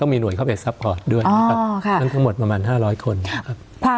เห็นไหมคะบอกว่าใช้คนตรวจตั้งแต่วันแรกจนถึงตรวจเสร็จประมาณเดือนครึ่งใช้เวลา